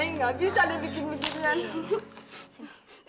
ayu gak bisa deh bikin beginian